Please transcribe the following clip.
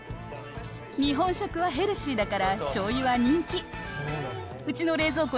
日本食はヘルシーだからしょうゆは人気。